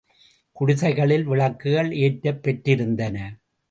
குடிசைகளில் விளக்குகள் ஏற்றப்பெற்றிருந்தன.